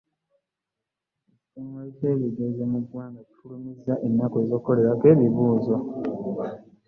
Ekitongole ky'ebigezo mu ggwanga kifulumizza ennaku ez'okukolerako ebigezo